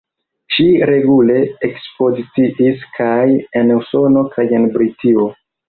Ŝi regule ekspoziciis kaj en Usono kaj en Britio.